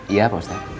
iya pak ustadz